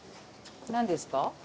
何ですか？